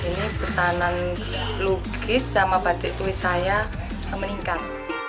ini pesanan lukis sama batik tulis saya meningkat